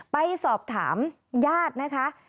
ไปสอบถามญาตินะคะ